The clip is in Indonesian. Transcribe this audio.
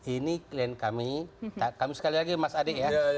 ini klien kami kami sekali lagi mas adi ya